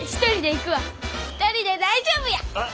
一人で大丈夫や！